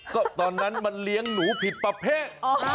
ก็ตอนนั้นมันเลี้ยงหนูผิดประเภท